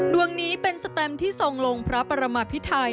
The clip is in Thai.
ดวงนี้เป็นสแตมที่ทรงลงพระปรมาพิไทย